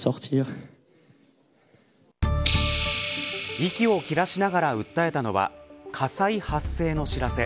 息を切らしながら訴えたのは火災発生の知らせ。